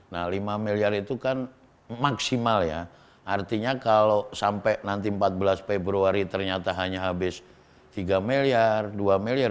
nah lima miliar itu kan maksimal ya artinya kalau sampai nanti empat belas februari ternyata hanya habis tiga miliar dua miliar